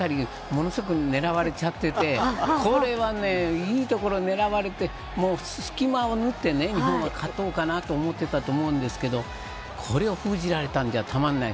ものすごく狙われれちゃってこれはいいところ狙われて隙間を縫って、日本は勝とうかなと思っていたと思うんですけどこれを封じられたんじゃ、たまらない。